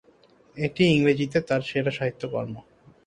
এটি ইংরেজিতে তার সেরা সাহিত্যকর্ম।